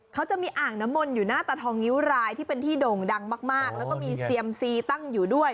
เขาจะมีอ่างน้ำมนต์อยู่หน้าตาทองนิ้วรายที่เป็นที่โด่งดังมากแล้วก็มีเซียมซีตั้งอยู่ด้วย